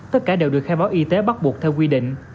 tất cả đều được khai báo y tế bắt buộc theo quy định